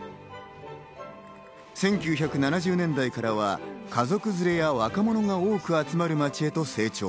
１９７０年代からは家族連れや若者が多く集まる街へと成長。